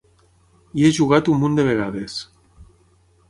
Hi he jugat un munt de vegades.